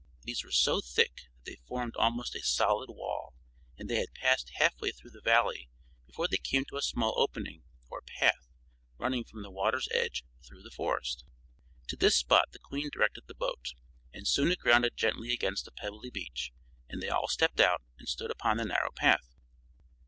These were so thick that they formed almost a solid wall, and they had passed halfway through the Valley before they came to a small opening, or path, running from the water's edge through the forest. To this spot the Queen directed the boat, and soon it grounded gently against a pebbly beach, and they all stepped out and stood upon the narrow path.